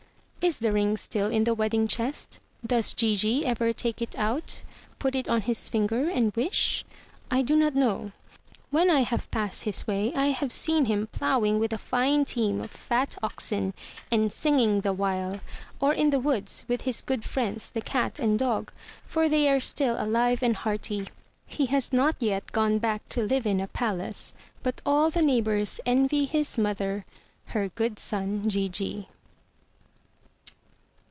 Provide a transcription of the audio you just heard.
Is the ring still in the wedding chest? Does Gigi ever take it out, put it on his finger and wish? I do not know. When I have passed his way I have seen him ploughing with a fine team of fat oxen, and singing the while, or in the woods with his good friends the cat and dog, for they are still alive and hearty. He has not yet gone back to Uve in a palace; but all the neighbors envy his mother her good son Gigi.